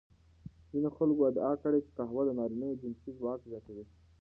ځینو خلکو ادعا کړې چې قهوه د نارینوو جنسي ځواک زیاتوي.